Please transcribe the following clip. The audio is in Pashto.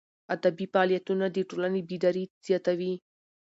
ادبي فعالیتونه د ټولني بیداري زیاتوي.